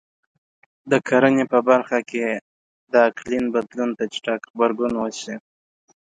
د کرنې په برخه کې د اقلیم بدلون ته چټک غبرګون وشي.